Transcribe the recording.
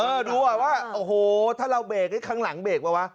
เดี๋ยวดูว่าว่าโอ้โฮถ้าเราเบรกข้างหลังเบรกปะวะ